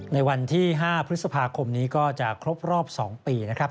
ในวันที่๕พฤษภาคมนี้ก็จะครบรอบ๒ปีนะครับ